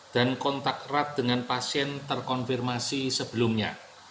dan kontak erat dengan pasien terkonfirmasi sebelumnya